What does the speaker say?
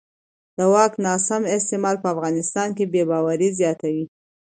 د واک ناسم استعمال په افغانستان کې بې باورۍ زیاتوي